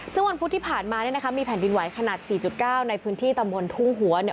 ซึ่งวันพุธที่ผ่านมาเนี่ยนะคะมีแผ่นดินไหวขนาด๔๙ในพื้นที่ตำบลทุ่งหัวเนี่ย